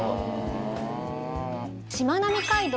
しまなみ海道。